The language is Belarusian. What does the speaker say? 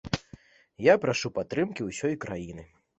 Я прашу падтрымкі ўсёй краіны.